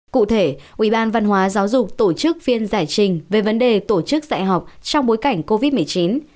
cụ thể ubnd giáo dục tổ chức phiên giải trình về vấn đề tổ chức dạy học trong bối cảnh covid một mươi chín